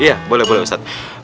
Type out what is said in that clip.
iya boleh boleh ustadz